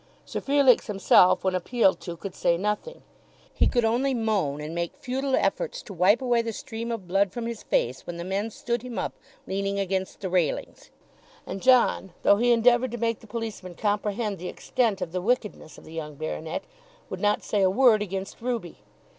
Sir Felix himself when appealed to could say nothing. He could only moan and make futile efforts to wipe away the stream of blood from his face when the men stood him up leaning against the railings. And John, though he endeavoured to make the policemen comprehend the extent of the wickedness of the young baronet, would not say a word against Ruby.